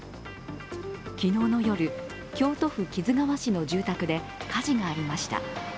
昨日の夜、京都府木津川市の住宅で火事がありました。